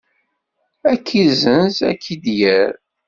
Ad k-izzenz, ad k-id-yerr.